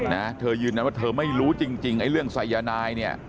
นะเธอยืนยันว่าเธอไม่รู้จริงจริงไอ้เรื่องสายนายเนี่ย